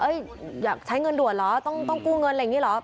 อยากใช้เงินด่วนเหรอต้องกู้เงินอะไรอย่างนี้เหรอ